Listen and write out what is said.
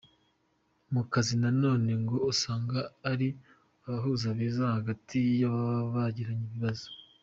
Mu kazi nanone ngo usanga ari abahuza beza hagati y ’ababa bagiranye ibibazo,.